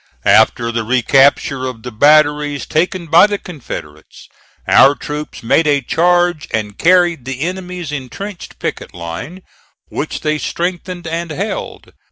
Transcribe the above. After the recapture of the batteries taken by the Confederates, our troops made a charge and carried the enemy's intrenched picket line, which they strengthened and held.